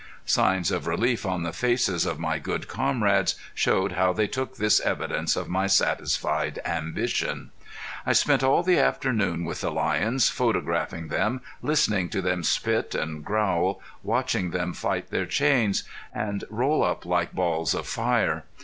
Signs of relief on the faces of my good comrades showed how they took this evidence of my satisfied ambition. I spent all the afternoon with the lions, photographing them, listening to them spit and growl, watching them fight their chains, and roll up like balls of fire.